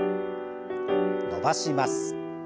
伸ばします。